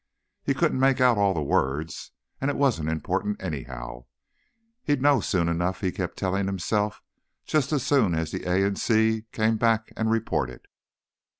He couldn't make out all the words, and it wasn't important anyhow. He'd know soon enough, he kept telling himself; just as soon as the A in C came back and reported.